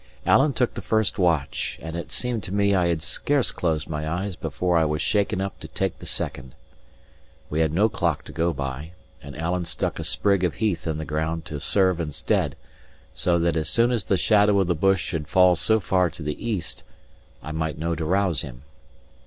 Alan took the first watch; and it seemed to me I had scarce closed my eyes before I was shaken up to take the second. We had no clock to go by; and Alan stuck a sprig of heath in the ground to serve instead; so that as soon as the shadow of the bush should fall so far to the east, I might know to rouse him.